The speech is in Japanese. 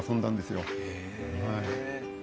へえ。